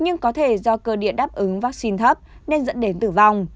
nhưng có thể do cơ điện đáp ứng vaccine thấp nên dẫn đến tử vong